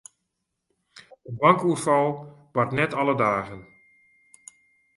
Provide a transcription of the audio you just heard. In bankoerfal bart net alle dagen.